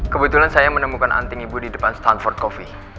kebetulan saya menemukan anting ibu di depan stanford coffee